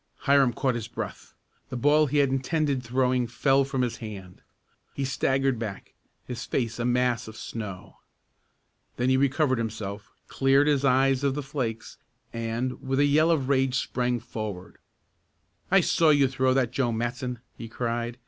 Hiram caught his breath. The ball he had intended throwing fell from his hand. He staggered back, his face a mass of snow. Then he recovered himself, cleared his eyes of the flakes and, with a yell of rage sprang forward. "I saw you throw that, Joe Matson!" he cried.